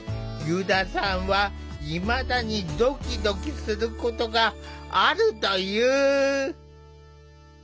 油田さんはいまだにどきどきすることがあるという。